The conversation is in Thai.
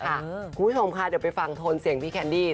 คุณผู้ชมค่ะเดี๋ยวไปฟังโทนเสียงพี่แคนดี้